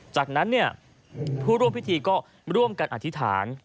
จากนั้นผู้ร่วมพิธีก็ร่วมกันอธิษฐาน